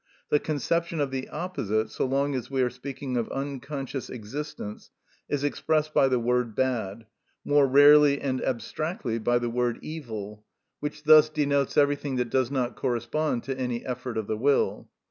The conception of the opposite, so long as we are speaking of unconscious existence, is expressed by the word bad, more rarely and abstractly by the word evil, which thus denotes everything that does not correspond to any effort of the will.